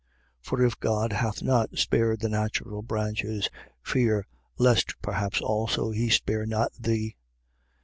For if God hath not spared the natural branches, fear lest perhaps also he spare not thee.